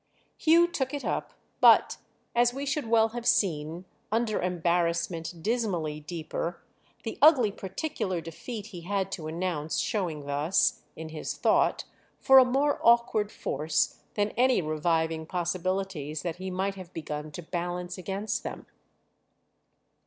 Hugh took it up, but, as we should well have seen, under embarrassment dismally deeper; the ugly particular defeat he had to announce showing thus, in his thought, for a more awkward force than any reviving possibilities that he might have begun to balance against them.